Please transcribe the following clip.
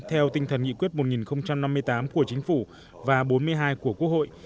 theo tinh thần nghị quyết một nghìn năm mươi tám của chính phủ và bốn mươi hai của quốc hội